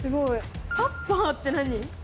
タッパーって何？